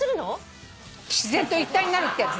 自然と一体になるってやつね。